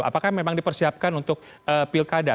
apakah memang dipersiapkan untuk pilkada